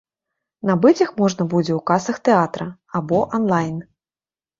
Набыць іх можна будзе ў касах тэатра або анлайн.